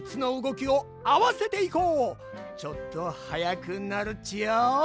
ちょっとはやくなるっちよ。